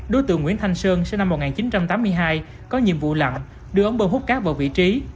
đối tượng nguyễn thanh sơn sinh năm một nghìn chín trăm tám mươi hai có nhiệm vụ lặng đưa ống bơm hút cát vào vị trí